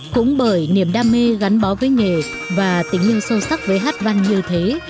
cũng bởi niềm đam mê gắn bó với nghề và tình yêu sâu sắc với hát văn như thế